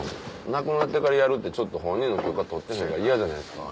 亡くなってからやるってちょっと本人の許可取ってないから嫌じゃないですか